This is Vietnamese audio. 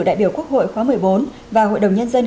đại biểu quốc hội khóa một mươi bốn và hội đồng nhân dân